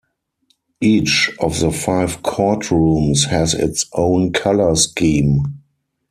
Each of the five court rooms has its own color scheme.